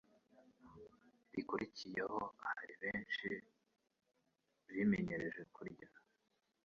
rikurikiyeho. Hariho benshi bimenyereje kurya